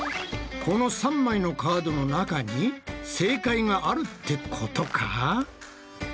この３枚のカードの中に正解があるってことか？